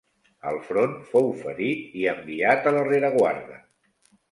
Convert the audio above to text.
Al front fou ferit i enviat a la rereguarda.